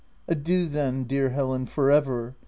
" Adieu then, dear Helen, for ever